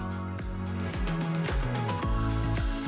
sumpah enak banget